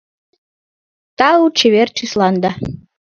Тау чевер чесланда